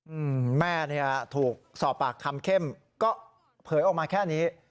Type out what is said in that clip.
อืมแม่เนี้ยถูกสอบปากคำเข้มก็เผยออกมาแค่นี้